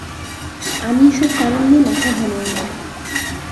আমি এসব কারণ নিয়ে মাথা ঘামাই না।